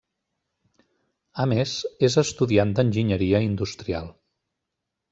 A més, és estudiant d'enginyeria industrial.